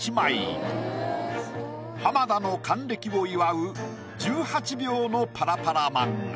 浜田の還暦を祝う１８秒のパラパラ漫画。